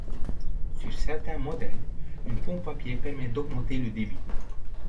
Sur certains modèles, une pompe à pied permet d'augmenter le débit.